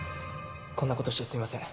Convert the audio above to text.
こんなことしてすいません。